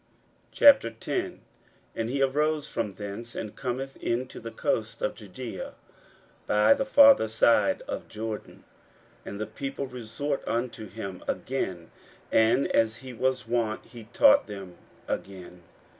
41:010:001 And he arose from thence, and cometh into the coasts of Judaea by the farther side of Jordan: and the people resort unto him again; and, as he was wont, he taught them again.